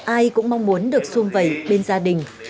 ai cũng mong muốn được xuân dịch